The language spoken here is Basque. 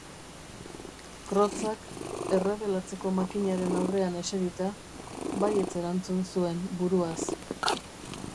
Crozzak, errebelatzeko makinaren aurrean eserita, baietz erantzun zuen buruaz.